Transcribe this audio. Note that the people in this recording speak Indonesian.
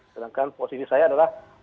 sedangkan posisi saya adalah